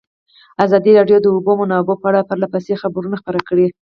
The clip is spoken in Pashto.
ازادي راډیو د د اوبو منابع په اړه پرله پسې خبرونه خپاره کړي.